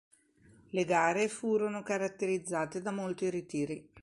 Le gare furono caratterizzate da molti ritiri.